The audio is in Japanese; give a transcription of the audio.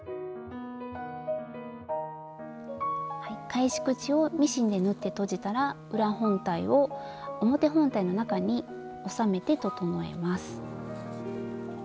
返し口をミシンで縫ってとじたら裏本体を表本体の中に収めて整えます。